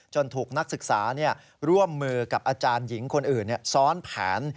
ถูกนักศึกษาร่วมมือกับอาจารย์หญิงคนอื่นซ้อนแผน